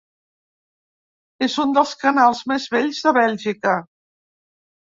És un dels canals més vells de Bèlgica.